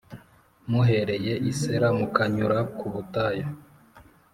muhereye i Sela mukanyura ku butayu,